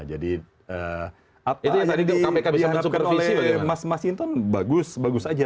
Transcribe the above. jadi apa yang dianggapkan oleh mas masinton bagus bagus saja